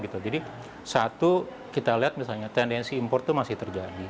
jadi satu kita lihat misalnya tendensi impor itu masih terjadi